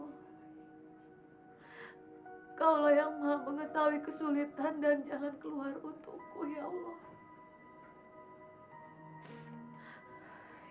engkaulah zat yang maha mengetahui kesulitan dan jalan keluar untukku ya allah